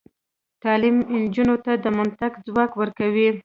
تعلیم نجونو ته د منطق ځواک ورکوي.